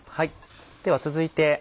では続いて。